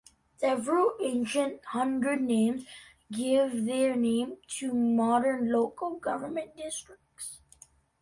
Several ancient hundred names give their name to modern local government districts.